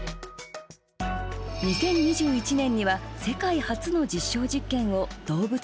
２０２１年には世界初の実証実験を動物で実施。